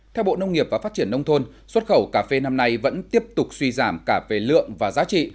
theo bộ nông nghiệp và phát triển nông thôn xuất khẩu cà phê năm nay vẫn tiếp tục suy giảm cả về lượng và giá trị